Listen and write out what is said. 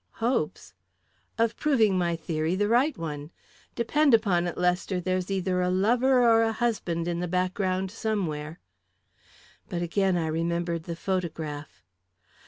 "Hopes?" "Of proving my theory the right one. Depend upon it, Lester, there's either a lover or a husband in the background somewhere." But again I remembered the photograph.